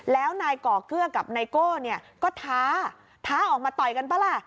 แล้วนายก่อเกื้อกับไนโก้เนี่ยก็ท้าท้าออกมาต่อยกันป่ะล่ะ